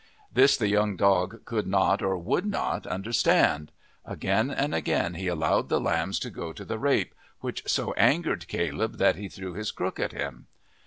This the young dog could not or would not understand; again and again he allowed the lambs to go to the rape, which so angered Caleb that he threw his crook at him.